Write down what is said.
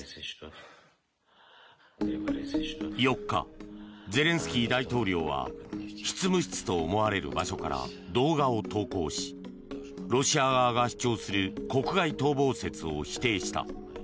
４日、ゼレンスキー大統領は執務室と思われる場所から動画を投稿しロシア側が主張する国外逃亡説を否定した。